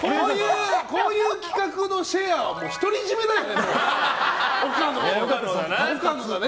こういう企画のシェアを独り占めだよね、岡野がね。